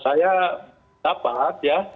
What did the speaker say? saya dapat ya